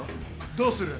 どうする？